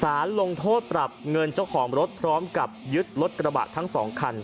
ลงโทษปรับเงินเจ้าของรถพร้อมกับยึดรถกระบะทั้งสองคัน